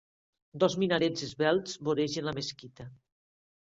Dos minarets esvelts voregen la mesquita.